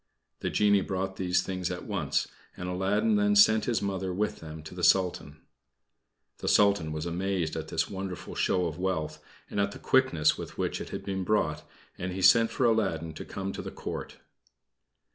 The genie brought these things at once, and Aladdin then sent his Mother with them to the Sultan. The Sultan was amazed at this wonderful show of wealth and at the quickness with which it had been brought, and he sent for Aladdin to come to the Court.